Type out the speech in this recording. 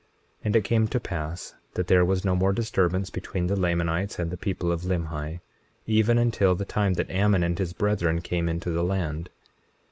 21:22 And it came to pass that there was no more disturbance between the Lamanites and the people of Limhi, even until the time that Ammon and his brethren came into the land.